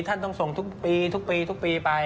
ท่านต้องส่งทุกปีไป